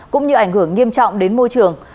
cũng như ảnh hưởng nghiêm trọng đến môi trường